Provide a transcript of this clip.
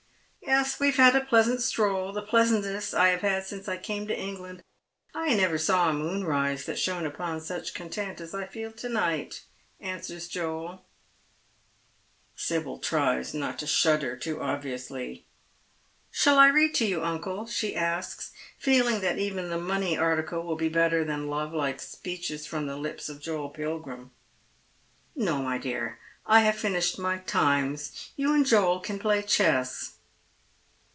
"Yes, we have had a pleasant stroll, the pleasantest I have had since I came to England. I never saw a moonrise tha* ehone upon such content as I feel to night," answers Joel. Sibyl tries not to shudder too obviously. " Shall I read to you, uncle ?" she aske, feeling that even tiv money article will be better than love hke speeches fi'om the lips of Joel Pilgrim. " No, my dear, I have finished my Times. You and Joel can play chess."